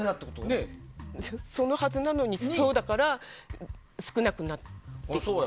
そのはずなのにそうだから少なくなって。